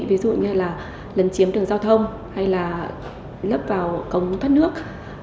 ví dụ như là lần chiếm đường giao thông hay là lấp vào cống thất nước